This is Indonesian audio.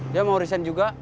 dia mau resign juga